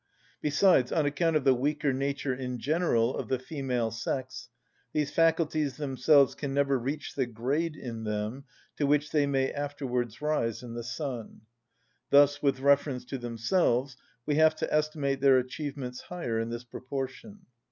Besides, on account of the weaker nature in general of the female sex, these faculties themselves can never reach the grade in them to which they may afterwards rise in the son; thus, with reference to themselves, we have to estimate their achievements higher in this proportion.